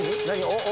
おっ。